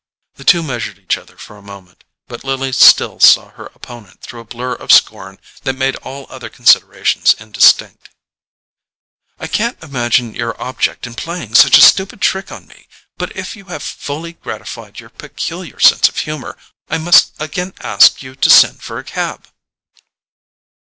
The two measured each other for a moment, but Lily still saw her opponent through a blur of scorn that made all other considerations indistinct. "I can't imagine your object in playing such a stupid trick on me; but if you have fully gratified your peculiar sense of humour I must again ask you to send for a cab."